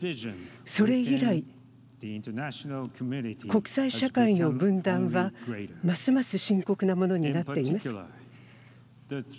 それ以来国際社会の分断はますます深刻なものになっています。